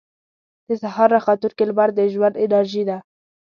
• د سهار راختونکې لمر د ژوند انرژي ده.